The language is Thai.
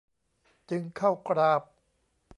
จึงเข้ากราบ